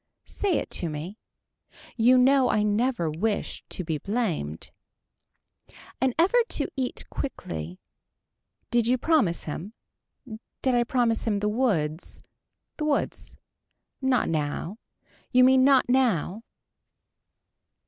Say it to me. You know I never wished to be blamed. An effort to eat quickly. Did you promise him. Did I promise him the woods. The woods. Not now. You mean not now.